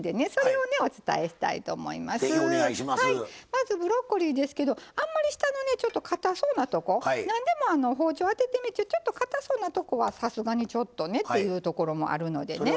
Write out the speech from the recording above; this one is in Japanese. まずブロッコリーですけどあんまり下のねちょっとかたそうなとこ何でも包丁当ててみてちょっとかたそうなとこはさすがにちょっとねっていうところもあるのでね。